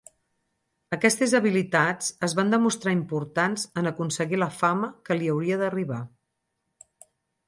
Aquestes habilitats es van demostrar importants en aconseguir la fama que li hauria d'arribar.